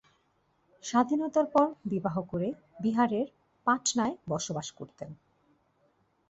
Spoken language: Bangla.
স্বাধীনতার পর বিবাহ করে বিহারের পাটনায় বসবাস করতেন।